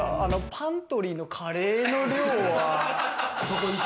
パントリーのカレーの量は。